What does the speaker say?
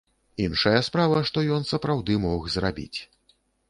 Іншая справа, што ён сапраўды мог зрабіць.